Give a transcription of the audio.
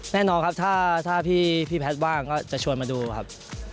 แน่นอนครับถ้าพี่แพทย์ว่างก็จะชวนมาดูครับ